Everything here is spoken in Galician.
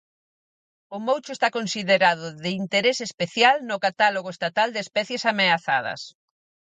O moucho está considerado de "interese especial" no Catálogo Estatal de Especies Ameazadas.